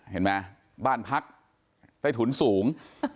เห็นไหมบ้านพักใต้ถุนสูง